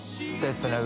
つなぐ？